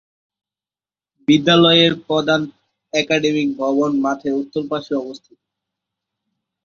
বিদ্যালয়ের প্রধান একাডেমিক ভবন মাঠের উত্তর পাশে অবস্থিত।